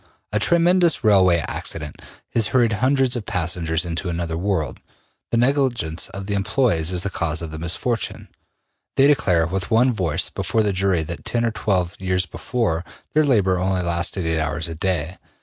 A tremendous railway accident has hurried hundreds of passengers into another world. The negligence of the employes is the cause of the misfortune. They declare with one voice before the jury that ten or twelve years before, their labor only lasted eight hours a day.